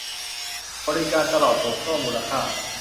บริการตลอดห่วงโซ่มูลค่า